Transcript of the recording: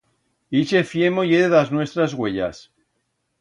Ixe fiemo ye d'as nuestras uellas.